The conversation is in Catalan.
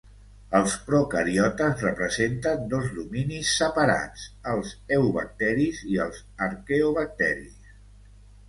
Els procariotes representen dos dominis separats, els eubacteris i els arqueobacteris.